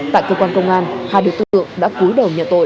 tại cơ quan công an hai đối tượng đã cúi đầu nhận tội